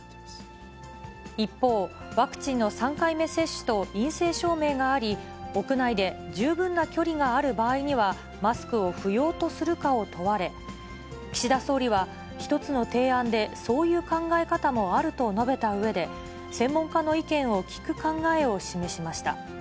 一方、ワクチンの３回目接種と陰性証明があり、屋内で十分な距離がある場合には、マスクを不要とするかを問われ、岸田総理は、１つの提案でそういう考え方もあると述べたうえで、専門家の意見を聞く考えを示しました。